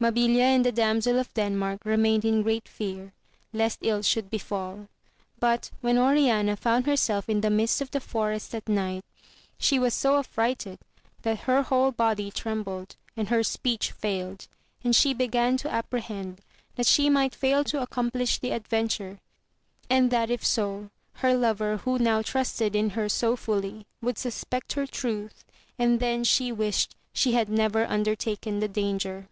Mabilia and the damsel of Denmark remained in great fear lest ill should befal ; but, when Oriana found herself in the midst of the forest at night, she was so affiighted that her whole body trembled and her speech failed, and she began to apprehend that she might fail to accomplish the adventure, and that if so her lover, who now trusted in her so fully, would suspect her truth, and then she wished she had never undertaken the danger.